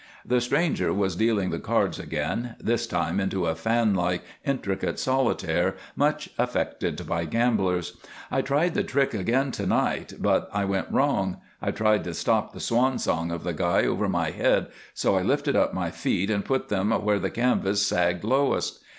The stranger was dealing the cards again, this time into a fanlike, intricate solitaire much affected by gamblers. "I tried the trick again to night, but I went wrong. I wanted to stop the swan song of the guy over my head, so I lifted up my feet and put them where the canvas sagged lowest.